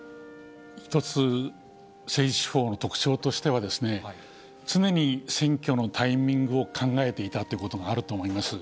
一つ、政治手法の特徴としては、常に選挙のタイミングを考えていたということがあると思います。